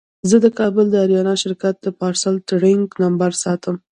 زه د کابل اریانا شرکت پارسل ټرېک نمبر ساتم.